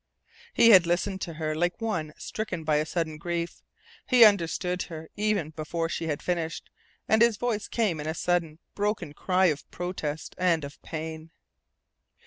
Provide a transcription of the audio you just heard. He had listened to her like one stricken by a sudden grief. He understood her, even before she had finished, and his voice came in a sudden broken cry of protest and of pain.